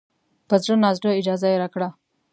په زړه نازړه اجازه یې راکړه.